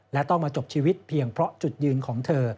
และต้องมาจบชีวิตเพียงเพราะจุดยืนของเธอ